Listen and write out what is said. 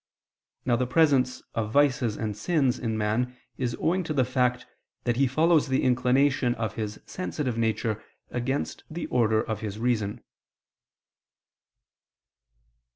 Now the presence of vices and sins in man is owing to the fact that he follows the inclination of his sensitive nature against the order of his reason.